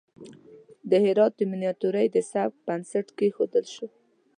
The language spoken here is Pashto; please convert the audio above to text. د هرات د میناتوری د سبک بنسټ کیښودل شو.